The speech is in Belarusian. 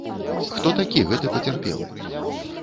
Хто такі гэты пацярпелы?